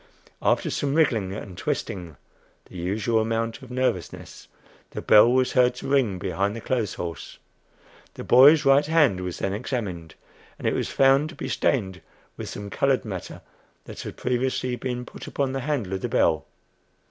After some wriggling and twisting (the usual amount of "nervousness,") the bell was heard to ring behind the clothes horse. The boy's right hand was then examined, and it was found to be stained with some colored matter that had previously been put upon the handle of the bell.